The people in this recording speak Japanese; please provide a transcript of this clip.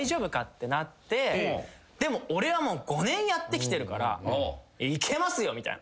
でも俺はもう５年やってきてるからいけますよみたいな。